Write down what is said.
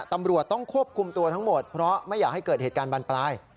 ตำรวจต้องควบคุมตัวทั้งหมดเพราะไม่อยากให้เกิดเหตุการณ์บานปลาย